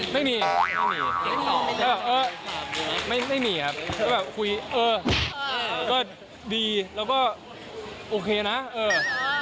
ไม่มีไม่มีไม่มีครับคุยเออก็ดีแล้วก็โอเคนะครับ